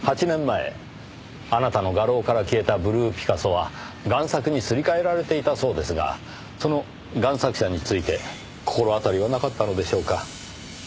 ８年前あなたの画廊から消えたブルーピカソは贋作にすり替えられていたそうですがその贋作者について心当たりはなかったのでしょうか？